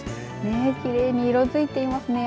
きれいに色づいていますね。